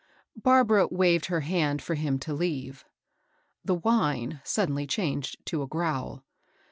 Barbara waved her hand for him to leave. The whine suddenly changed to a growl.